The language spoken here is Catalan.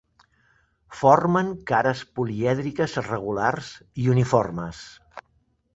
Formen cares polièdriques regulars i uniformes.